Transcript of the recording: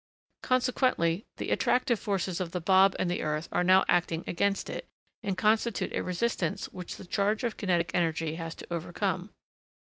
Consequently, the 'attractive forces' of the bob and the earth are now acting against it, and constitute a resistance which the charge of kinetic energy has to overcome.